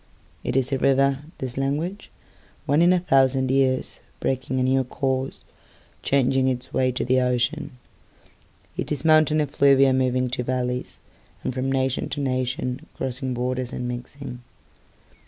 It is a river, this language, Once in a thousand yearsBreaking a new courseChanging its way to the ocean.It is mountain effluviaMoving to valleysAnd from nation to nationCrossing borders and mixing.